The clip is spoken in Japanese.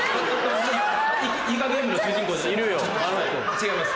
違います。